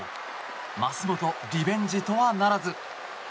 舛本、リベンジとはならず。